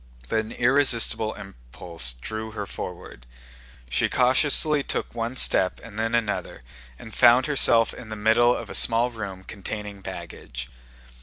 But an irresistible impulse drew her forward. She cautiously took one step and then another, and found herself in the middle of a small room containing baggage.